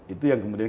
itu yang kemudian